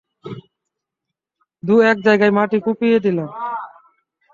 দু-এক জায়গায় মাটি কুপিয়ে দিলাম।